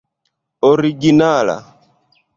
originala